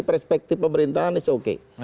respektif pemerintahan itu oke